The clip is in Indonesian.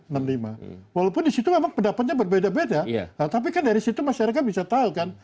walaupun di situ memang pendapatnya berbeda beda tapi kan dari situ masyarakat bisa tahu kan